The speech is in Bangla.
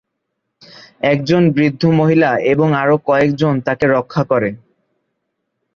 একজন বৃদ্ধ মহিলা এবং আরো কয়েক জন তাকে রক্ষা করে।